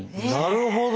なるほど。